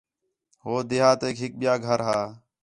ہو دیہاتیک ہِک ٻِیا گھر ہا